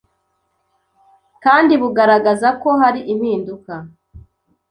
kandi bugaragaza ko hari impinduka